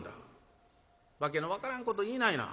「訳の分からんこと言いないな。